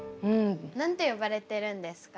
何て呼ばれてるんですか？